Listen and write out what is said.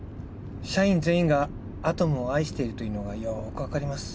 社員全員がアトムを愛しているというのがよく分かります